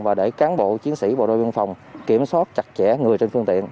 và để cán bộ chiến sĩ bộ đội biên phòng kiểm soát chặt chẽ người trên phương tiện